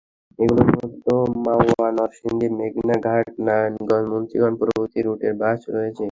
এগুলোর মধ্যে মাওয়া, নরসিংদী, মেঘনা ঘাট, নারায়ণগঞ্জ, মুন্সিগঞ্জ প্রভৃতি রুটের বাস রয়েছে।